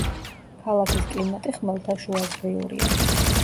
ქალაქის კლიმატი ხმელთაშუაზღვიურია.